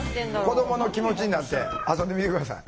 子どもの気持ちになって遊んでみて下さい。